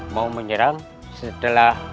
mau menyerang setelah